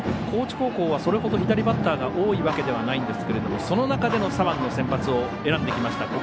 高知高校はそれほど左バッターが多いわけではないんですがその中での左腕の先発を選んできた